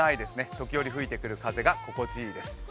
時折吹いてくる風が心地いいです。